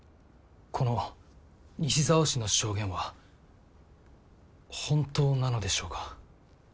この西澤氏の証言は本当なのでしょうか？